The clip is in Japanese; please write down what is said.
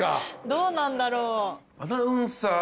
どうなんだろう？